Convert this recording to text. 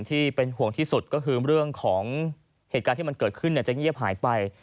ที่เป็นห่วงที่สุดก็คือเรื่องของเหตุการณ์ที่มันเกิดขึ้นจะเงียบหายไป